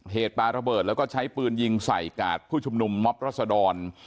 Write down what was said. ปลาระเบิดแล้วก็ใช้ปืนยิงใส่กาดผู้ชุมนุมม็อบรัศดร